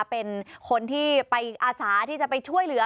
เป็นคนที่ไปอาสาที่จะไปช่วยเหลือ